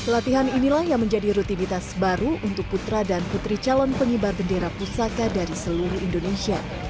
latihan inilah yang menjadi rutinitas baru untuk putra dan putri calon pengibar bendera pusaka dari seluruh indonesia